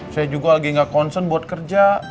saya juga lagi gak concern buat kerja